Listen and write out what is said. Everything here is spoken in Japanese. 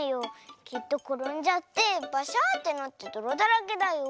きっところんじゃってバシャーってなってどろだらけだよ。